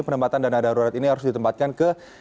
penempatan dana darurat ini harus ditempatkan ke